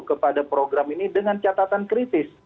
kepada program ini dengan catatan kritis